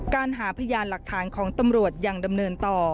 หาพยานหลักฐานของตำรวจยังดำเนินต่อ